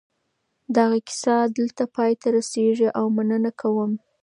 دغه کیسه دلته پای ته رسېږي او مننه کوم.